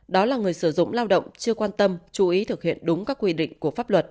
đó là người sử dụng lao động chưa quan tâm chú ý thực hiện đúng các quy định của pháp luật